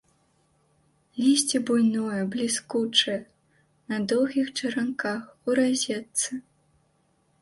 Лісце буйное, бліскучае, на доўгіх чаранках, у разетцы.